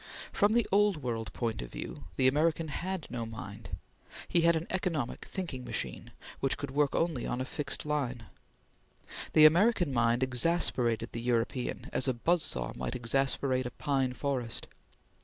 From the old world point of view, the American had no mind; he had an economic thinking machine which could work only on a fixed line. The American mind exasperated the European as a buzz saw might exasperate a pine forest.